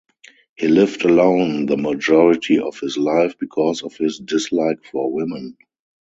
He lived alone the majority of his life because of his dislike for women.